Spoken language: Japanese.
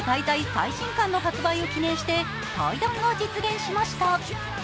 最新刊の発売を記念して対談が実現しました。